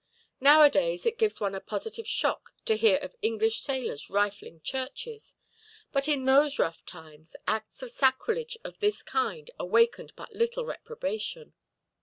Nowadays it gives one a positive shock to hear of English sailors rifling churches; but in those rough times, acts of sacrilege of this kind awakened but little reprobation.